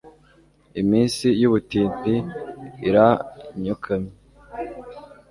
iminsi y'ubutindi iranyokamye